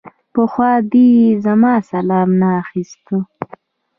پخوا دې زما سلام نه اخيست.